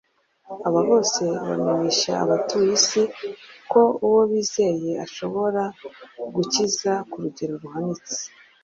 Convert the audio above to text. aba bose bamenyesha abatuye isi ko uwo bizeye ashobora gukiza ku rugero ruhanitse.